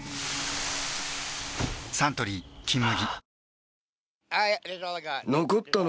サントリー「金麦」